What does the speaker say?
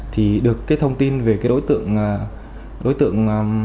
thì được thông tin về đối tượng